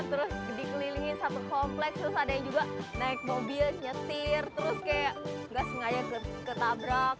terus dikelilingin satu kompleks terus ada yang juga naik mobil nyetir terus kayak nggak sengaja ketabrak